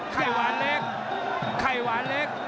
ไข่หวานเล็กไข้หวานเล็ก